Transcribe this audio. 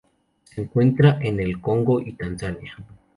Se encuentra en el Congo y Tanzania.